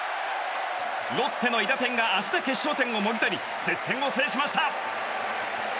ロッテの韋駄天が足で決勝点をもぎ取り接戦を制しました。